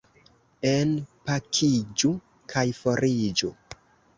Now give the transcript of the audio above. Enpakiĝu kaj foriĝu.